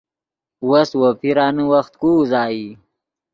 وس وو پیرانے وخت کو اوازئی